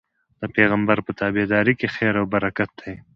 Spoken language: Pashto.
د پيغمبر په تابعدارۍ کي خير او برکت دی